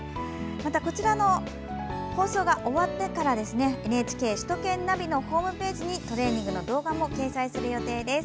またこちらの放送が終わってからＮＨＫ首都圏ナビのホームページにトレーニングの動画も掲載する予定です。